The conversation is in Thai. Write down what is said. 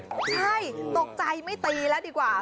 ใช่ตกใจไม่ตีแล้วดีกว่า